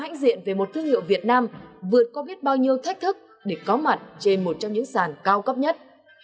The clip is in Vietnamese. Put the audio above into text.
hóa hãnh diện về một thương hiệu việt nam vượt có biết bao nhiêu thách thức để có mặt trên một trong những sản cao cấp nhất